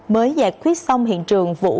mới giải quyết xong hiện trường vụ